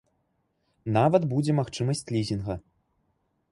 Нават будзе магчымасць лізінга.